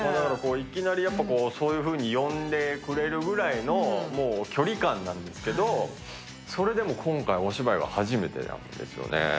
いきなりそういうふうに呼んでくれるぐらいの距離感なんですけど、それでも今回、お芝居は初めてなんですよね。